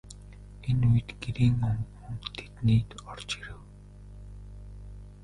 Энэ үед Гэрийн онгон тэднийд орж ирэв.